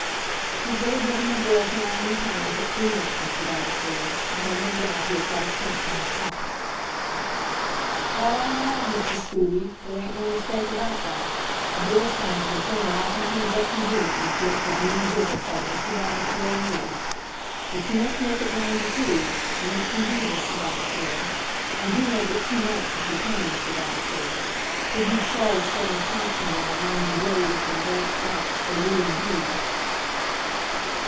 "You'd better give him a bill for ninety pounds at three months, Mr. Vavasor. I have no doubt he has got a stamp in his pocket." "That I have, Mr. Scruby; there ain't no mistake about that. A bill stamp is a thing that often turns up convenient with gents as mean business like Mr. Vavasor and you. But you must make it ninety two; you must indeed, Mr. Vavasor. And do make it two months if you can, Mr. Vavasor; they do charge so unconscionable on ninety days at them branch banks; they do indeed."